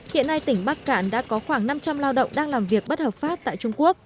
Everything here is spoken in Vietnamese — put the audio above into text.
hiện nay tỉnh bắc cạn đã có khoảng năm trăm linh lao động đang làm việc bất hợp pháp tại trung quốc